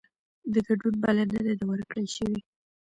د ګډون بلنه نه ده ورکړل شوې